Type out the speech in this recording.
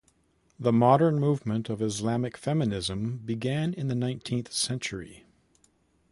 The modern movement of Islamic feminism began in the nineteenth century.